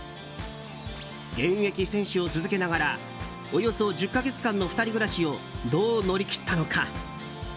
現役選手を続けながらおよそ１０か月間の２人暮らしをどう乗り切ったのか。